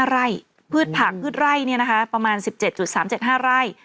๕ไร่พืชผักพืชไร่ประมาณ๑๗๓๗๕ไร่